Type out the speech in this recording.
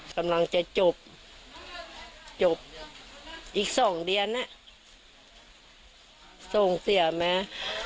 กำลังจะจบอีกสองเดือนส่งเสียแม่